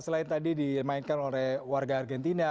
selain tadi dimainkan oleh warga argentina